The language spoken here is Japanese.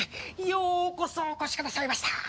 ようこそお越しくださいました。